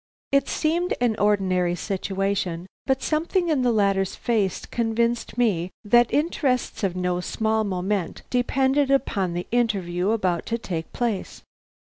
It seemed an ordinary situation, but something in the latter's face convinced me that interests of no small moment depended upon the interview about to take place.